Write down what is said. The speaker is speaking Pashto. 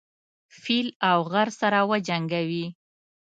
فيل او غر سره وجنګوي.